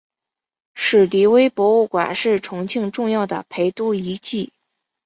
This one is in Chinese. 史迪威博物馆是重庆重要的陪都遗迹。